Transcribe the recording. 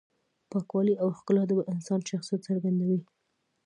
پاکوالی او ښکلا د انسان شخصیت څرګندوي.